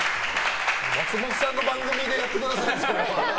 松本さんの番組でやってください。